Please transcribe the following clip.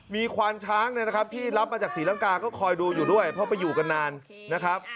มีควานช้างเนี่ยนะครับที่รับมาจากศรีลังกาก็คอยดูอยู่ด้วยเพราะไปอยู่กันนานนะครับ